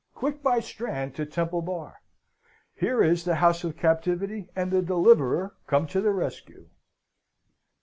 Quick by Strand to Temple Bar! Here is the house of Captivity and the Deliverer come to the rescue!